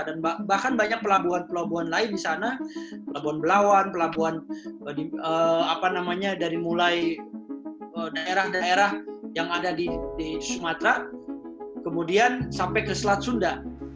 dan bahkan banyak pelabuhan pelabuhan lain di sana pelabuhan pelabuhan pelabuhan apa namanya dari mulai daerah daerah yang ada di sumatra kemudian sampai ke selat sunda